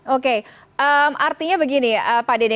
oke artinya begini pak dede